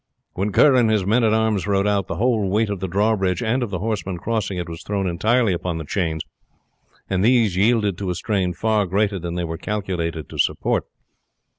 When Kerr and his men at arms rode out, the whole weight of the drawbridge and of the horsemen crossing it was thrown entirely upon the chains, and these yielded to a strain far greater than they were calculated to support.